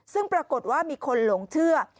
ซึ่งปรากฏว่ามีคนหลงเชื่อ